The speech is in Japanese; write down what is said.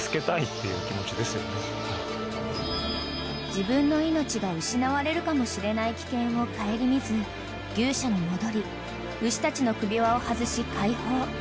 ［自分の命が失われるかもしれない危険を顧みず牛舎に戻り牛たちの首輪を外し解放］